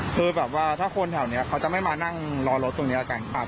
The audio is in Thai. คือแบบว่าถ้าคนแถวนี้เขาจะไม่มานั่งรอรถตรงนี้แล้วกัน